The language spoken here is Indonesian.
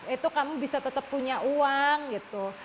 itu kamu bisa tetap punya uang gitu